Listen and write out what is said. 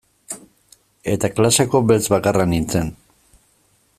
Eta klaseko beltz bakarra nintzen.